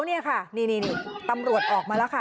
นี่ตำรวจออกมาแล้วค่ะ